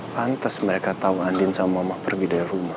pantes mereka tau andin sama mama pergi dari rumah